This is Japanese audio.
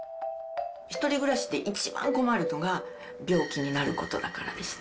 １人暮らしって一番困るのが、病気になることだからです。